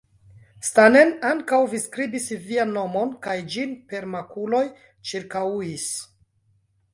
Stanen, ankaŭ vi skribis vian nomon kaj ĝin per makuloj ĉirkaŭis!